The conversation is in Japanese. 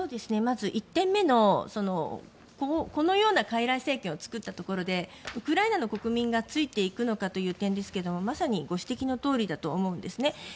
まず１点目のこのような傀儡政権を作ったところでウクライナの国民がついていくのかという点ですけどまさにご指摘のとおりだと思うんですね。